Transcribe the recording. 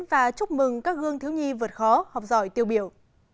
và chúc mừng các gương thiếu nhi vượt khó học giỏi tiêu biểu